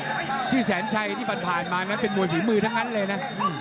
ชื่อแสนชัยที่ผ่านมานั้นเป็นมวยฝีมือทั้งนั้นเลยนะ